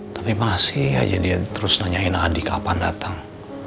tapi masih aja dia terus nanyain adik kapan datang